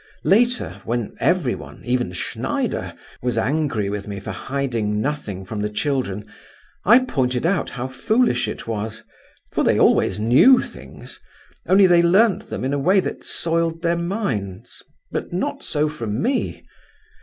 Later, when everyone—even Schneider—was angry with me for hiding nothing from the children, I pointed out how foolish it was, for they always knew things, only they learnt them in a way that soiled their minds but not so from me.